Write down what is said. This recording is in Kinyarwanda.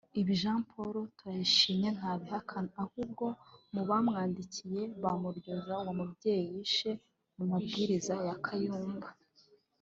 Ibi Jean Paul Turayishimye ntabihakana ahubwo mu bamwandikiye bamuryoza uwo mubyeyi yishe ku mabwiriza ya Kayumba